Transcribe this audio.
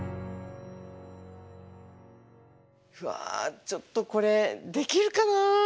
ふわちょっとこれできるかな？